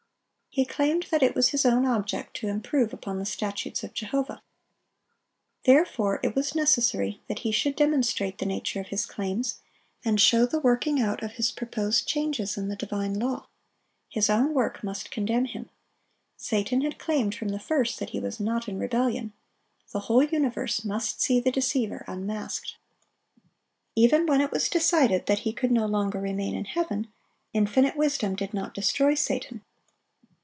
He claimed that it was his own object to improve upon the statutes of Jehovah. Therefore it was necessary that he should demonstrate the nature of his claims, and show the working out of his proposed changes in the divine law. His own work must condemn him. Satan had claimed from the first that he was not in rebellion. The whole universe must see the deceiver unmasked. Even when it was decided that he could no longer remain in heaven, Infinite Wisdom did not destroy Satan.